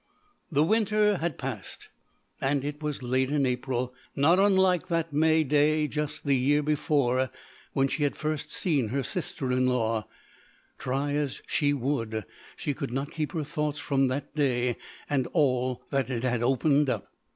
The winter had passed and it was late in April, not unlike that May day just the year before when she had first seen her sister in law. Try as she would she could not keep her thoughts from that day and all that it had opened up.